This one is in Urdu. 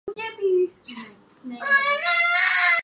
دنیا میں پائی جانے والی دیگر تمام تر انواع حیات سے برتر دماغ رکھتی ہے